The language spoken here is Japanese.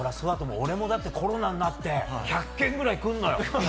俺もコロナになって１００件ぐらいくるのよ。